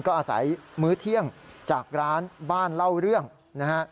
ก็อาศัยมื้อเที่ยงจากร้านบ้านเล่าเรื่องนะฮะ